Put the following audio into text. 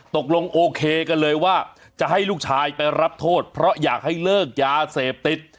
โอเคกันเลยว่าจะให้ลูกชายไปรับโทษเพราะอยากให้เลิกยาเสพติด